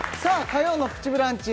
火曜の「プチブランチ」